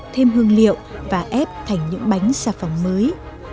thêm hương liệu và ép thành những bánh xà phòng mới